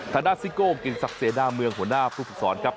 ทาดาซิโกกินซักเซดาเมืองหัวหน้าฟุตศูนย์ครับ